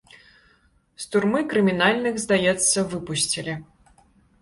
З турмы крымінальных, здаецца, выпусцілі.